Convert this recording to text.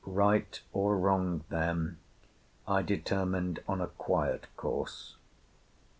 Right or wrong, then, I determined on a quiet course.